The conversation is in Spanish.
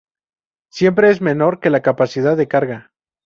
Siempre es menor que la capacidad de carga.